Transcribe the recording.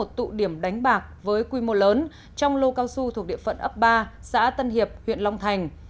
vừa triệt phá một tụ điểm đánh bạc với quy mô lớn trong lô cao su thuộc địa phận ấp ba xã tân hiệp huyện long thành